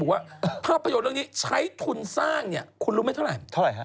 วางให้น่าจะหลักพันบาท